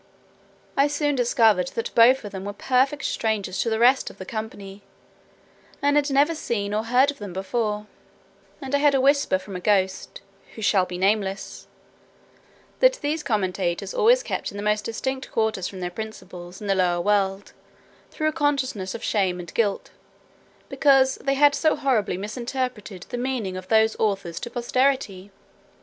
I soon discovered that both of them were perfect strangers to the rest of the company, and had never seen or heard of them before; and I had a whisper from a ghost who shall be nameless, "that these commentators always kept in the most distant quarters from their principals, in the lower world, through a consciousness of shame and guilt, because they had so horribly misrepresented the meaning of those authors to posterity."